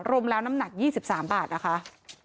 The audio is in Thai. รวมร้านน้ำหนักยี่สิบสามบาทนะคะ